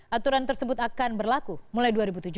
aturan tersebut akan berlaku mulai dua ribu tujuh belas